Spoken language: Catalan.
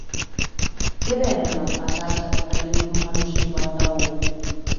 Què venen al passatge de Feliu número cinquanta-u?